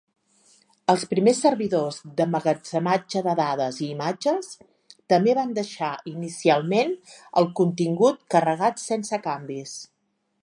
Els primers servidors d'emmagatzematge de dades i imatges també van deixar inicialment el contingut carregat sense canvis.